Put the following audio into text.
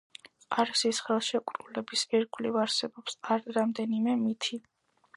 ყარსის ხელშეკრულების ირგვლივ არსებობს რამდენიმე მითი.